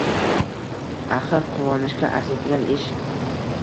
Axir quvonishga arziydigan ish –